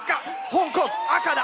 香港赤だ！